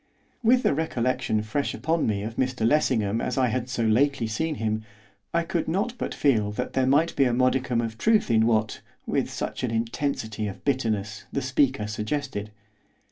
With the recollection fresh upon me of Mr Lessingham as I had so lately seen him I could not but feel that there might be a modicum of truth in what, with such an intensity of bitterness, the speaker suggested.